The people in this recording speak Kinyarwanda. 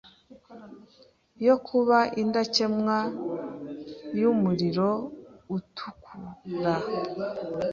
yo kuba indakemwa yumuriro utukura